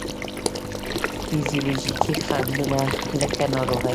فزیولوجیکي خنډو نه لکه ناروغي،